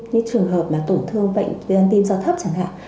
những trường hợp mà tổn thương bệnh tiên tim do thấp chẳng hạn